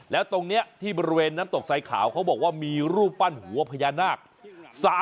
แล้วตรงนี้ที่บริเวณน้ำตกไซขาวเขาบอกว่ามีรูปปั้นหัวพญานาค